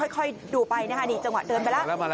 ค่อยดูไปนะคะนี่จังหวะเดินไปแล้ว